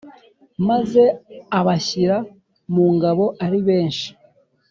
maze abashyira mu ngabo ari benshi.